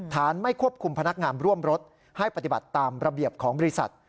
ไม่ควบคุมพนักงานร่วมรถให้ปฏิบัติตามระเบียบของบริษัท